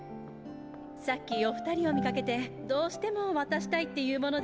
さっきお２人を見かけてどうしても渡したいって言うもので。